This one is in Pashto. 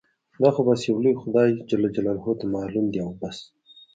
دا خو بس يو لوی خدای ته معلوم دي او بس.